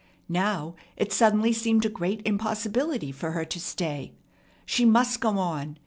Now it suddenly seemed a great impossibility for her to stay. She must go on.